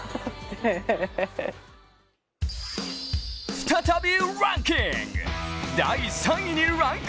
再びランキング。